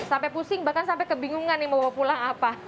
sampai pusing bahkan sampai kebingungan nih mau bawa pulang apa